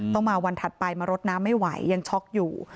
มาวันถัดไปมารดน้ำไม่ไหวยังช็อกอยู่